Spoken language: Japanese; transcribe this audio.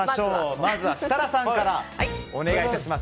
まずは設楽さんからお願いいたします。